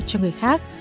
cho người khác